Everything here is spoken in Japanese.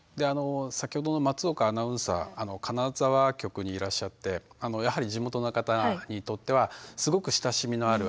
先ほどの松岡アナウンサー金沢局にいらっしゃってやはり地元の方にとってはすごく親しみのあるアナウンサーになってます。